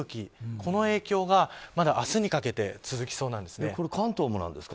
この影響がまだ明日にかけて関東もなんですか？